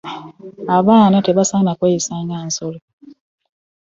Abaana tebasaana kweyisanga nsolo.